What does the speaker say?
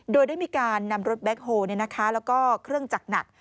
โดยได้มีการนำรถแบ็คโฮแล้วก็เครื่องจักรหนัก